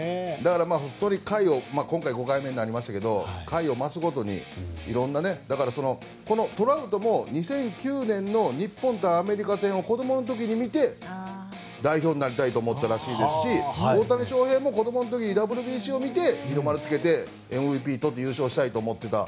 今回５回目になりましたけど、回を増すごとにトラウトも２００９年の日本対アメリカ戦を子供の時に見て代表になりたいと思ったらしいですし大谷翔平も子供の時にＷＢＣを見て日の丸をつけてＭＶＰをとって優勝したいと思っていた。